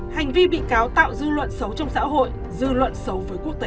hành vi bị cáo tạo dư luận xấu trong xã hội dư luận xấu với quốc tế